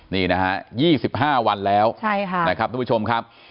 นี่นะฮะ๒๕วันแล้วนะครับทุกผู้ชมครับ